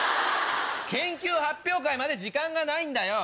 研究発表会まで時間がないんだよ。